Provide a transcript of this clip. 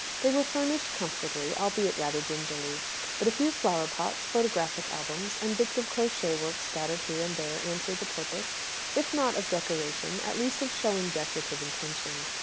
They were furnished comfortably, albeit rather dingily. But a few flower pots, photographic albums, and bits of crochet work, scattered here and there, answered the purpose if not of decoration, at least of showing decorative intention.